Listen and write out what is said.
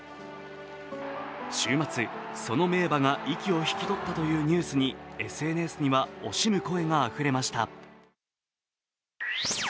週末、その名馬が息を引き取ったというニュースにＳＮＳには惜しむ声があふれました。